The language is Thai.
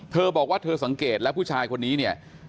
เธอบอกว่าเธอสังเกตแล้วผู้ชายคนนี้เนี่ย